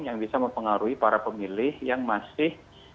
yang bisa mempengaruhi para pemilih yang masih